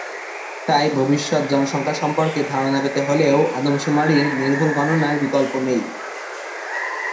তাই ভবিষ্যত জনসংখ্যা সম্পর্কে ধারণা পেতে হলেও আদমশুমারির নির্ভুল গণনার বিকল্প নেই।